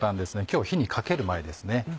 今日は火にかける前ですね。